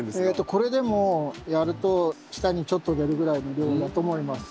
これでもやると下にちょっと出るぐらいの量だと思います。